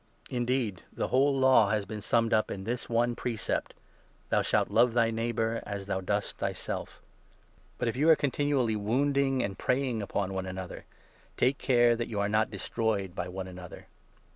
Indeed, the whole Law has 14 been summed up in this one precept —' Thou shalt love thy neighbour as thou dost thyself.* But, if you are continually wounding and preying upon one 15 another, take care that you are not destroyed by one another.